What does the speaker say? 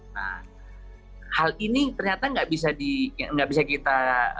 nah hal ini ternyata nggak bisa kita